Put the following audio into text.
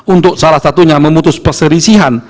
untuk salah satunya memutus perselisihan